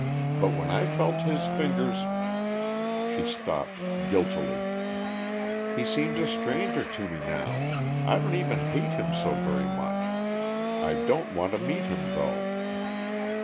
But when I felt his fingers " she stopped guiltily. "He seems a stranger to me now. I don't even hate him so very much. I don't want to meet him, though."